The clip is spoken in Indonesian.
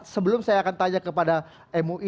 sebelum saya akan tanya kepada mui